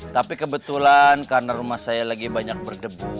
tapi kebetulan karena rumah saya lagi banyak berdebu